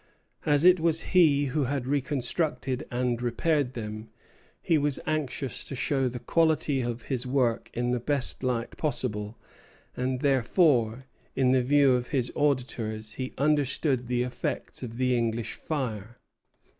As it was he who had reconstructed and repaired them, he was anxious to show the quality of his work in the best light possible; and therefore, in the view of his auditors, he understated the effects of the English fire.